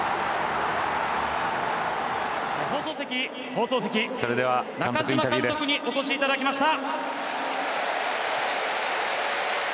放送席、中嶋監督にお越しいただきました。